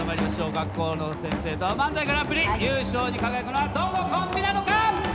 学校の先生と漫才グランプリ優勝に輝くのはどのコンビなのか？